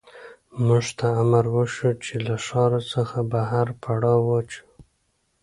موږ ته امر وشو چې له ښار څخه بهر پړاو واچوو